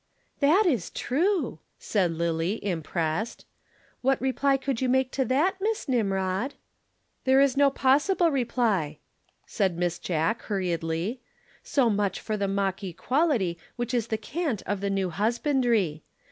"That is true," said Lillie impressed. "What reply would you make to that, Miss Nimrod?" "There is no possible reply," said Miss Jack hurriedly. "So much for the mock equality which is the cant of the new husbandry.